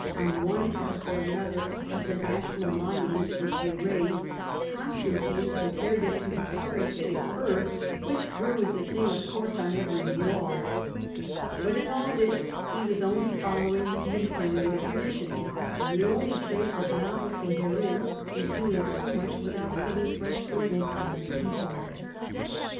on one after another of the national monuments which he had raised, Constantine compared it to the parasitic herb which grew as a thing of course on every wall, without But in all this he was only following the burdens imperial traditions, and the only trace of of taxation, novelty therein was doing so much without putting fresh burdens on his people.